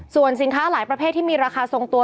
ส่วนสินค้าหลายประเภทที่มีราคาทรงตัว